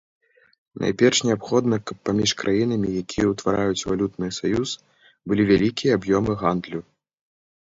Найперш неабходна, каб паміж краінамі, якія ўтвараюць валютны саюз, былі вялікія аб'ёмы гандлю.